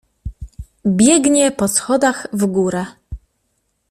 Biegnie po schodach w górę.